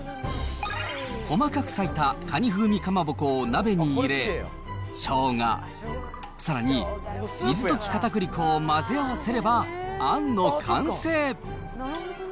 細かく割いたカニ風味かまぼこを鍋に入れ、しょうが、さらに、水溶きかたくり粉を混ぜ合わせれば、あんの完成。